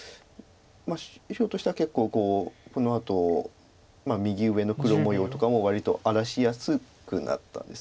白としては結構このあと右上の黒模様とかも割と荒らしやすくなったんです。